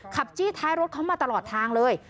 จี้ท้ายรถเขามาตลอดทางเลย